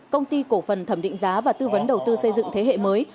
công ty cổ phần thẩm định giá và tư vấn đầu tư xây dựng thế hệ mới